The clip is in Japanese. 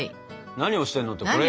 何をしてんのってこれよ。